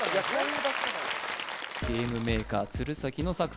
ゲームメーカー・鶴崎の作戦